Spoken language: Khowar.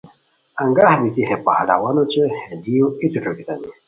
انگاہ بیتی ہے پہلوان اوچے ہے دیو ایتو ݯوکیتانی